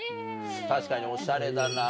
確かにおしゃれだな。